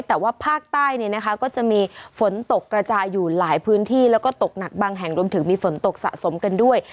แต่ว่าภาคใต้เนี่ยนะคะก็จะมีฝนตกกระจายอยู่หลายพื้นที่แล้วก็ตกหนักบางแห่งรวมถึงมีฝนตกสะสมกันด้วย